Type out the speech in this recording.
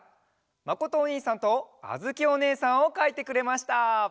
まことおにいさんとあづきおねえさんをかいてくれました！